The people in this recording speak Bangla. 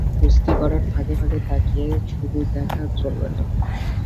কুস্তি করার ফাঁকে ফাঁকে তাকিয়ে শুধু দেখা আর চলবে না।